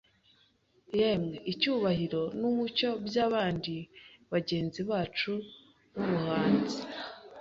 Yemwe icyubahiro n'umucyo by'abandi bagenzi bacu b'ubuhanzi